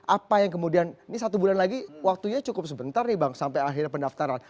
apa yang kemudian ini satu bulan lagi waktunya cukup sebentar nih bang sampai akhirnya pendaftaran